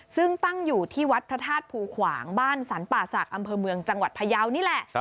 ซึ่งตั้งอยู่ที่วัดพระธาตุภูขวางบ้านสรรป่าศักดิ์อำเภอเมืองจังหวัดพยาวนี่แหละ